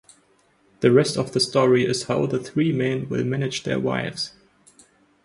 The rest of the story is how the three men will manage their wives.